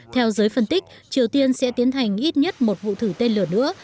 theo giới phân tích triều tiên sẽ tiến hành ít nhất một vụ thử tên lửa nữa